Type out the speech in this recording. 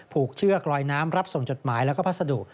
ผูกเชือกลอยน้ำรับส่งจดหมายและภาษาดุ